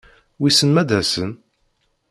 Wissen ma ad-asen?